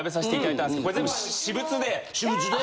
私物で。